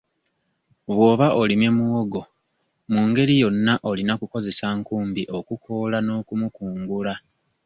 Bw'oba olimye muwogo mu ngeri yonna olina kukozesa nkumbi okukoola n'okumukungula.